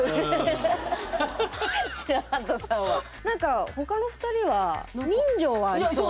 何か他の２人は人情はありそう。